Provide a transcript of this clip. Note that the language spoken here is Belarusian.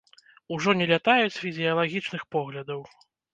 Ужо не лятаюць з фізіялагічных поглядаў.